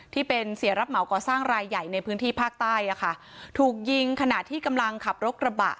ที่เป็นเสียรับเหมาก่อสร้างรายใหญ่ในพื้นที่ภาคใต้อ่ะค่ะถูกยิงขณะที่กำลังขับรถกระบะ